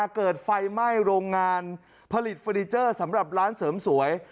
เกิดไฟไหม้โรงงานผลิตเฟอร์นิเจอร์สำหรับร้านเสริมสวย